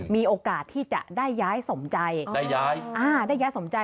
มีโอกาสที่จะได้ย้ายสมใจได้ย้ายสมใจ